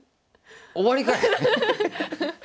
終わりかい！